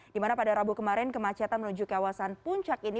dimana pada rabu kemarin kemacetan menuju kawasan puncak ini